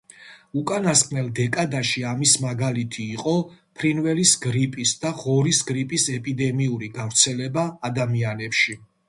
უკანასკნელ დეკადაში ამის მაგალითი იყო ფრინველის გრიპის და ღორის გრიპის ეპიდემიური გავრცელება ადამიანებში.